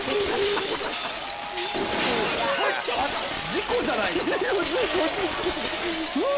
事故じゃないですか。